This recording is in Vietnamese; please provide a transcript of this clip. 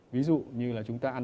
ví dụ như là chúng ta ăn